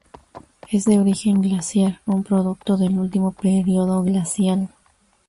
Es de origen glaciar, un producto del Último periodo glacial.